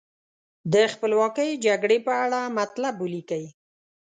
د خپلواکۍ جګړې په اړه مطلب ولیکئ.